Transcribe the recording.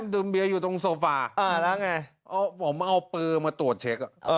ดื่มเบียอยู่ตรงโซฟาแล้วไงผมเอาปืนมาตรวจเช็ค